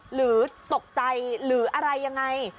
หรือตกใจหรืออะไรยังไง